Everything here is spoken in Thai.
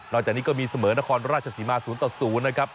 นอกจากนี้ก็มีเสมอนครราชสีมาศูนย์ต่อศูนย์นะครับ